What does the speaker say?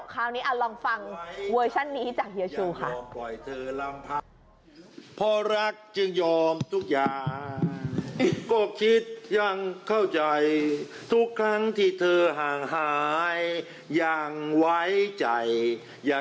คราวนี้ลองฟังเวอร์ชันนี้จากเฮียชูค่ะ